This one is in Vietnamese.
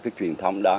cái truyền thông đó